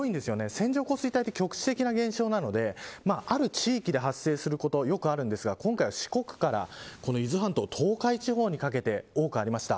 線状降水帯は局地的な現象なのである地域で発生することよくあるんですが今回は四国から伊豆半島東海地方にかけてよくありました。